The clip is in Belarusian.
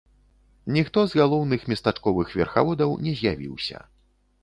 Ніхто з галоўных местачковых верхаводаў не з'явіўся.